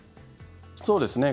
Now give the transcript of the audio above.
そうですね。